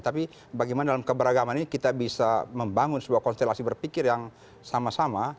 tapi bagaimana dalam keberagaman ini kita bisa membangun sebuah konstelasi berpikir yang sama sama